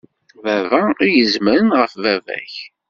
Baba i izemren ɣef baba-k.